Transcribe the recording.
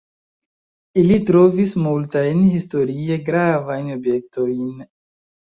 Ili trovis multajn historie gravajn objektojn.